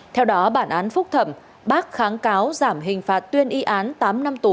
theo đó bản án phúc thẩm bác kháng cáo giảm hình phạt tuyên y án tám năm tù